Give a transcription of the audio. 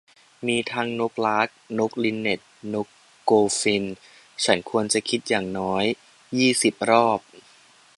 มีทั้งนกลาร์ค นกลินเน็ท นกโกลด์ฟินช์ - ฉันควรจะคิดอย่างน้อยยี่สิบรอบ